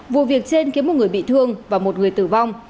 vụ việc trên khiến một người bị thương và một người tử vong